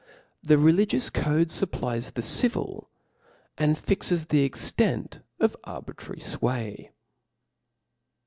The religious code fupplies the civil, and fixes the extent <^ arbitrary fway.